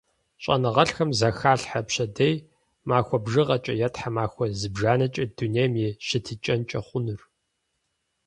ЩӀэныгъэлӀхэм зэхалъхьэ пщэдей, махуэ бжыгъэкӀэ е тхьэмахуэ зыбжанэкӀэ дунейм и щытыкӀэнкӀэ хъунур.